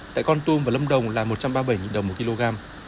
tại con tum và lâm đồng là một trăm ba mươi bảy đồng một kg